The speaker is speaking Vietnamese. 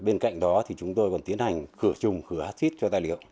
bên cạnh đó thì chúng tôi còn tiến hành khửa trùng khửa hát xít cho tài liệu